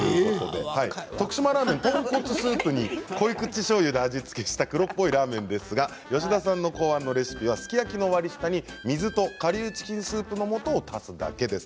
徳島ラーメンは豚骨スープに濃い口しょうゆで味付けした黒っぽいラーメンですが吉田さん考案のレシピはすき焼きの割り下に水とかりゅうチキンスープのもとを足すだけ。